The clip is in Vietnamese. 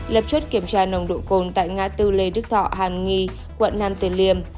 lập chốt kiểm tra nồng độ cồn tại ngã tư lê đức thọ hàm nghi quận năm tuyền liêm